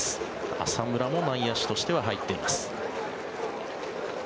浅村も内野手としては入っています。